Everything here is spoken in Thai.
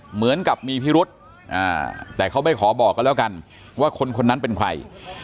เหมือนกับมีพิรุษแต่เขาไม่ขอบอกกันแล้วกันว่าคนคนนั้นเป็นใคร